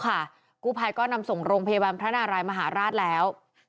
กู้ภัยก็นำส่งโรงพยาบาลพระนารายมหาราชแล้ว